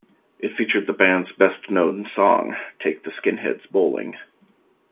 It featured the band's best known song, "Take the Skinheads Bowling".